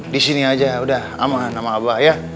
disini aja udah aman sama abah ya